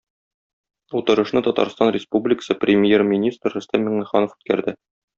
Утырышны Татарстан Республикасы Премьер-министры Рөстәм Миңнеханов үткәрде.